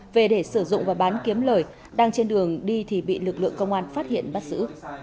về để sử dụng và bán kiếm lời đang trên đường đi thì bị lực lượng công an phát hiện bắt giữ